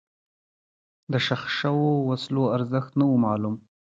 د ښخ شوو وسلو ارزښت نه و معلوم.